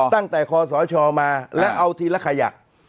ตั้งแต่คสชมาและเอาทีละขยัก